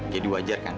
jadi wajar kan